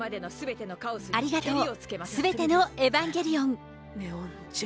ありがとう、すべてのエヴァンゲリオン。